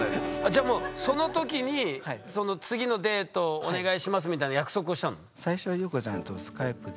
じゃもうそのときにその次のデートお願いしますみたいな約束をしたの？